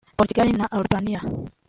Portugal na Albania